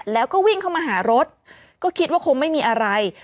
แล้วก็วิ่งเข้ามาหารถก็คิดว่าคงไม่มีอะไร